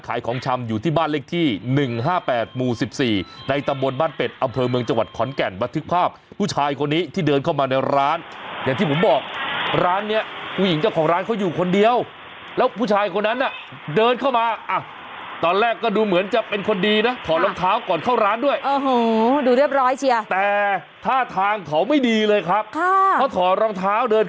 ของชำอยู่ที่บ้านเลขที่๑๕๘หมู่๑๔ในตำบลบ้านเป็ดอำเภอเมืองจังหวัดขอนแก่นบันทึกภาพผู้ชายคนนี้ที่เดินเข้ามาในร้านอย่างที่ผมบอกร้านเนี้ยผู้หญิงเจ้าของร้านเขาอยู่คนเดียวแล้วผู้ชายคนนั้นน่ะเดินเข้ามาอ่ะตอนแรกก็ดูเหมือนจะเป็นคนดีนะถอดรองเท้าก่อนเข้าร้านด้วยโอ้โหดูเรียบร้อยเชียแต่ท่าทางเขาไม่ดีเลยครับค่ะเขาถอดรองเท้าเดิน